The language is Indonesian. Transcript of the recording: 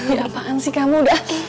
ya apaan sih kamu udah